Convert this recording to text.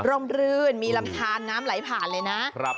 รื่นมีลำทานน้ำไหลผ่านเลยนะ